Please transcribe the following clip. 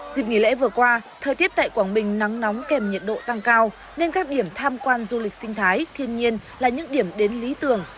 dịp nghỉ lễ vừa qua thời tiết tại quảng bình nắng nóng kèm nhiệt độ tăng cao nên các điểm tham quan du lịch sinh thái thiên nhiên là những điểm đến lý tưởng